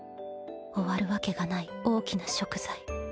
終わるわけがない大きな贖罪。